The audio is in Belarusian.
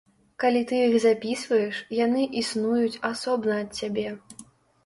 Калі ты іх запісваеш, яны існуюць асобна ад цябе.